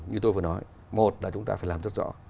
như tôi vừa nói một là chúng ta phải làm rất rõ